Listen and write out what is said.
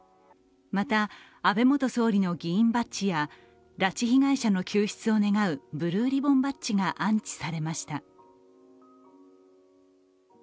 また、安倍元総理の議員バッジや拉致被害者の救出を願うブルーリボンバッジが安置されました。